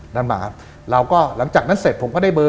แล้วก็หลังจากนั้นเสร็จผมก็ได้เบอร์